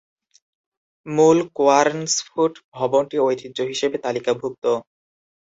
মূল কেয়ার্নসফুট ভবনটি ঐতিহ্য হিসেবে তালিকাভুক্ত।